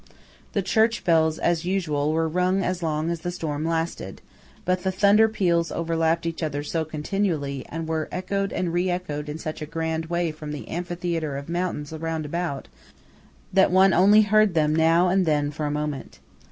The church bells, as usual, were rung as long as the storm lasted; but the thunder peals overlapped each other so continually, and were echoed and re echoed in such a grand way from the amphitheatre of mountains round about, that one only heard them now and then for a moment.